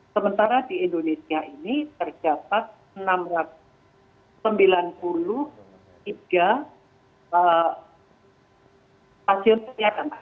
sementara di indonesia ini terdapat enam ratus sembilan puluh tiga pasien kesehatan